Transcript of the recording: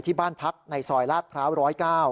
ที่บ้านพักในซอยลาดพร้าว๑๐๙